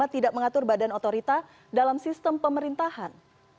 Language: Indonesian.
tidak mengatur badan otorita dalam sistem pemerintahan